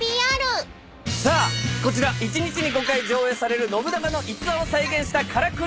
さあこちら一日に５回上映される信長の逸話を再現したからくり人形。